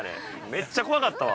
めっちゃ怖かったわ。